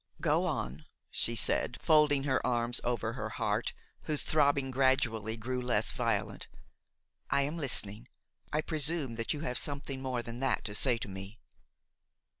"Go on," she said, folding her arms over her heart, whose throbbing gradually grew less violent; "I am listening; I presume that you have something more than that to say to me?"